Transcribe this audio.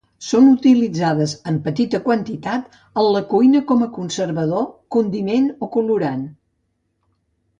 Són utilitzades en petita quantitat en la cuina com a conservador, condiment o colorant.